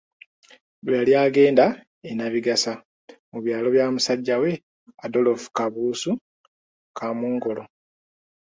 Lwe yali agenda e Nnabigasa mu byalo bya musajja we Adolfu Kabuusu Kaamungolo.